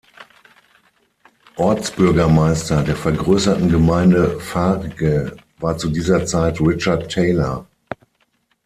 Ortsbürgermeister der vergrößerten Gemeinde Farge war zu dieser Zeit Richard Taylor.